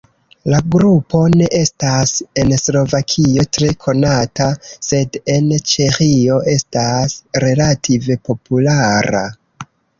La grupo ne estas en Slovakio tre konata, sed en Ĉeĥio estas relative populara.